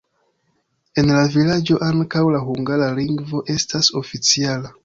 En la vilaĝo ankaŭ la hungara lingvo estas oficiala.